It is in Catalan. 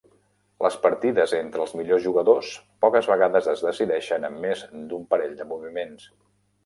Les partides entre els millors jugadors poques vegades es decideixen amb més d'un parell de moviments.